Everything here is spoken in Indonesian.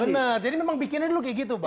benar jadi memang bikinnya dulu kayak gitu pak